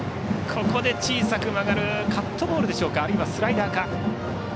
ここで小さく曲がるカットボールでしょうかあるいはスライダーか。